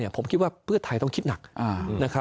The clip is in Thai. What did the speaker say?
ผมคิดว่าเพื่อไทยต้องคิดหนัก